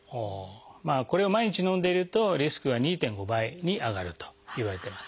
これを毎日飲んでいるとリスクが２．５倍に上がるといわれています。